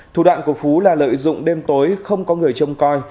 thủ đoạn của phú là lợi dụng đêm tối không có người trông coi